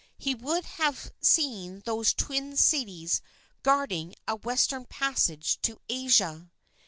He would have seen those Twin Cities guarding a Western Passage to Asia.